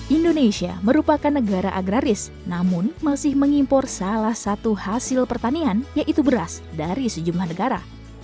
indonesia merupakan negara agraris namun masih mengimpor salah satu hasil pertanian yaitu beras dari sejumlah negara